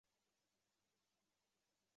高山条蕨为条蕨科条蕨属下的一个种。